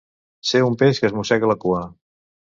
Ser un peix que es mossega la cua.